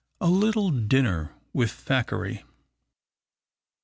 A LITTLE DINNER WITH THACKERAY.